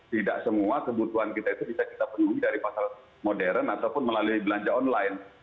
tidak semua kebutuhan kita itu bisa kita penuhi dari pasar modern ataupun melalui belanja online